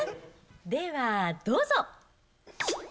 ではどうぞ。